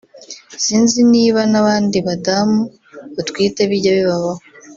“Sinzi niba n’abandi badamu batwite bijya bibabaho